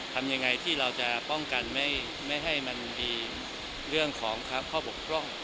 ทำยังไงที่เราจะป้องกันไม่ให้มันมีเรื่องของข้อบกพร่อง